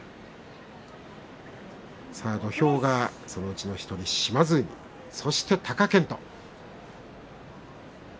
土俵がそのうちの１人島津海そして、貴健斗。